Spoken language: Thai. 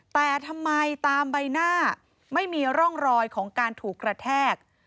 แต่ทำไมตามใบหน้าไม่มีร่องรอยของการถูกกระแทก